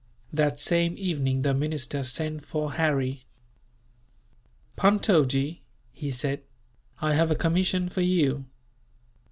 That same evening, the minister sent for Harry. "Puntojee," he said, "I have a commission for you.